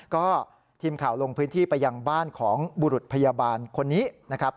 ก็ทีมข่าวลงพื้นที่ไปยังบ้านของบุรุษพยาบาลคนนี้นะครับ